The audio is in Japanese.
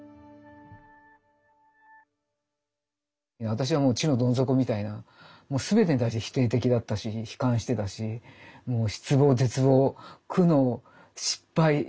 私はもう地のどん底みたいな全てに対して否定的だったし悲観してたしもう失望絶望苦悩失敗。